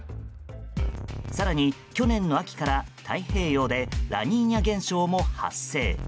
更に、去年の秋から太平洋でラニーニャ現象も発生。